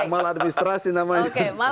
oke malah administrasi baik